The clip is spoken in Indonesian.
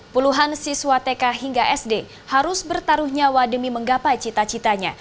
puluhan siswa tk hingga sd harus bertaruh nyawa demi menggapai cita citanya